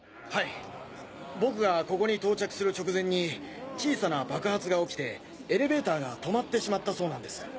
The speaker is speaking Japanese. はい僕がここに到着する直前に小さな爆発が起きてエレベーターが止まってしまったそうなんです。